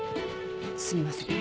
すみません。